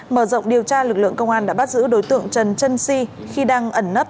mở rộng điều tra lực lượng công an đã bắt giữ đối tượng trần chân si khi đang ẩn nấp